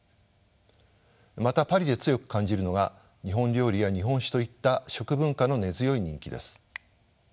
またパリで強く感じるのが日本料理や日本酒といった食文化の根強い人気です。